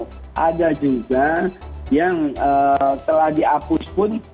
nah untuk pen dns yang telah dihapus pun